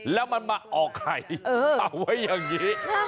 แล้วมันมาออกไข่เอาไว้อย่างนี้